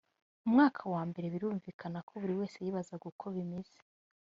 umwaka wa mbere birumvikana ko buri wese yibazaga uko bimeze